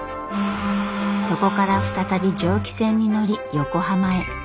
そこから再び蒸気船に乗り横浜へ。